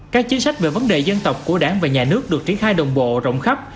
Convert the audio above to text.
các chính sách về vấn đề dân tộc của đảng và nhà nước được triển khai đồng bộ rộng khắp